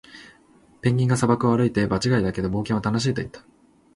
ペンギンが砂漠を歩いて、「場違いだけど、冒険は楽しい！」と言った。